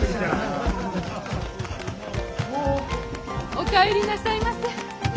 お帰りなさいませ。